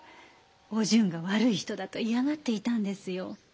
お順が悪い人だと嫌がっていたんですよ。